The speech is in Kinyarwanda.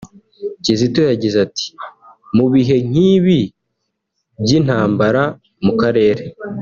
Kizito yagize ati “Mu bihe nk’ibi by’intambara mu karere